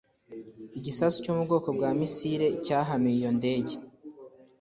Igisasu cyo mu bwoko bwa misile cyahanuye iyo ndege